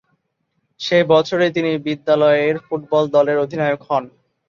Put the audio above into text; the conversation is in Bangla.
সে বছরই তিনি বিদ্যালয়ের ফুটবল দলের অধিনায়ক হন।